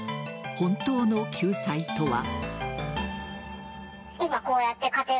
本当の救済とは。